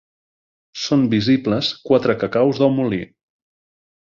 Són visibles quatre cacaus del molí.